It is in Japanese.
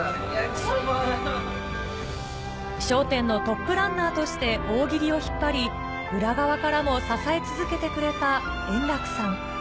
笑点のトップランナーとして大喜利を引っ張り、裏側からも支え続けてくれた円楽さん。